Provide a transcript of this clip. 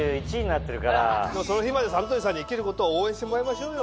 その日までサントリーさんに生きることを応援してもらいましょうよ。